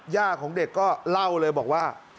ของเด็กก็เล่าเลยบอกว่า